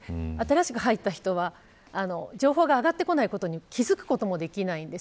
新しく入った人は情報が上がってこないことに気付くこともできないんです。